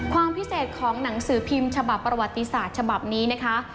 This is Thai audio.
ความพิเศษของหนังสือพิมพ์ฉบับประวัติศาสตร์ฉบับนี้นะคะ